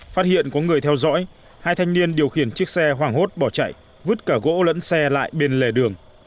phát hiện có người theo dõi hai thanh niên điều khiển chiếc xe hoảng hốt bỏ chạy vứt cả gỗ lẫn xe lại bên lề đường